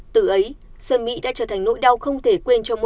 từ ấy sơn mỹ đã trở thành nỗi đau không thể quên cho mọi người